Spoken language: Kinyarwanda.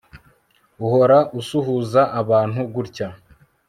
Uhora usuhuza abantu gutya